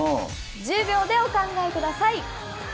１０秒でお考えください。